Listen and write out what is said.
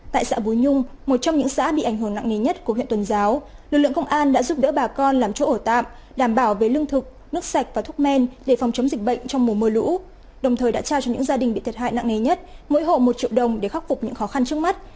tại xã bùi nhung một trong những xã bị ảnh hưởng nặng nề nhất của huyện tuần giáo lực lượng công an đã giúp đỡ bà con làm chỗ ở tạm đảm bảo về lương thực nước sạch và thuốc men để phòng chống dịch bệnh trong mùa mưa lũ đồng thời đã trao cho những gia đình bị thiệt hại nặng nề nhất mỗi hộ một triệu đồng để khắc phục những khó khăn trước mắt